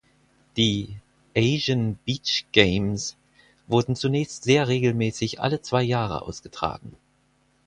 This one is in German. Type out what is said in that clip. Die "Asian Beach Games" wurden zunächst sehr regelmäßig alle zwei Jahre ausgetragen.